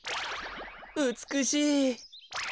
うつくしい。